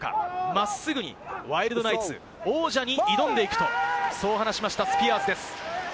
真っすぐにワイルドナイツ、王者に挑んでいくと、そう話しました、スピアーズです。